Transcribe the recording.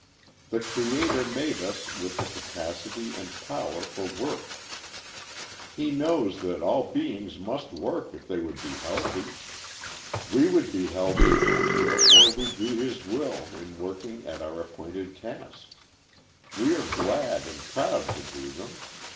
The Creator made us with the capacity and power for work. He knows that all beings must work if they would be healthy. We would be healthy, and therefore we do His will in working at our appointed tasks. We are glad and proud to do them.